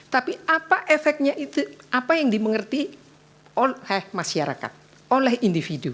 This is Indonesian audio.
tapi apa efeknya itu apa yang dimengerti oleh masyarakat oleh individu